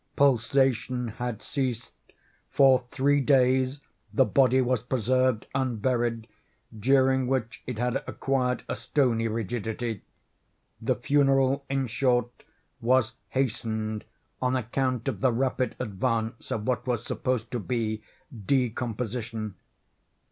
Pulsation had ceased. For three days the body was preserved unburied, during which it had acquired a stony rigidity. The funeral, in short, was hastened, on account of the rapid advance of what was supposed to be decomposition.